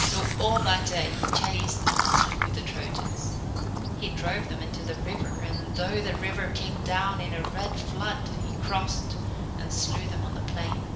So all that day he chased and slew the Trojans. He drove them into the river, and, though the river came down in a red flood, he crossed, and slew them on the plain.